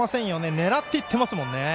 狙っていってますもんね。